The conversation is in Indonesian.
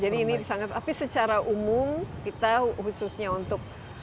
jadi ini sangat tapi secara umum kita khususnya untuk